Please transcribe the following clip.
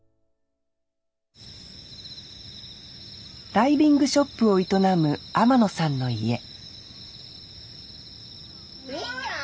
ダイビングショップを営む天野さんの家兄ちゃん？